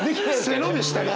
背伸びしたな。